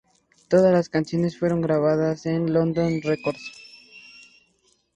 Todas las canciones fueron grabadas en Landon Records.